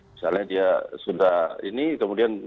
misalnya dia sudah ini kemudian